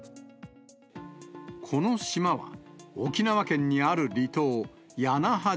この島は、沖縄県にある離島、屋那覇島。